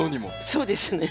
そうですね。